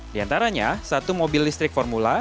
di antaranya satu mobil listrik formula